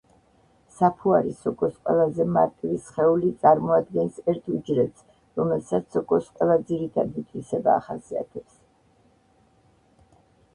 საფუარი სოკოს ყველაზე მარტივი სხეული წარმოადგენს ერთ უჯრედს, რომელსაც სოკოს ყველა ძირითადი თვისება ახასიათებს.